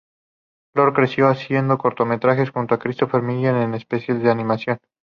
Lord creció haciendo cortometrajes junto a Christopher Miller, en especial de animación.